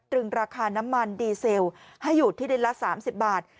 ดึงราคาน้ำมันดีเซลให้อยู่ที่เดือนละสามสิบบาท